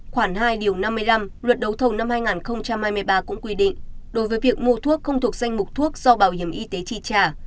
khoảng hai điều năm mươi năm luật đấu thầu năm hai nghìn hai mươi ba cũng quy định đối với việc mua thuốc không thuộc danh mục thuốc do bảo hiểm y tế chi trả